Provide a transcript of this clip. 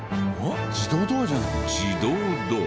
自動ドア。